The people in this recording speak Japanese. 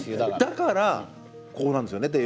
だからこうなるんですよねっていう。